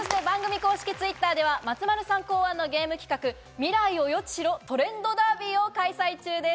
番組公式Ｔｗｉｔｔｅｒでは松丸さんのゲーム企画「未来を予知しろ！トレンドダービー」を開催中です。